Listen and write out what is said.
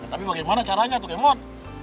tapi bagaimana caranya tuh kemot